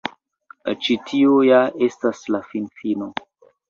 Ĉi tio ja estas la finfino.